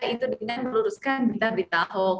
itu dengan meluruskan berita berita hoax